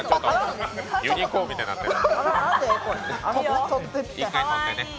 ユニコーンみたいになってる。